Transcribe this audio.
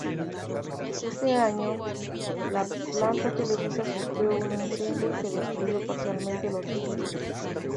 Ese año, la planta televisiva sufrió un incendio que destruyó parcialmente los estudios.